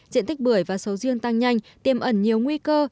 diện tích bưởi và sầu riêng tăng nhanh tiêm ẩn nhiều nguy cơ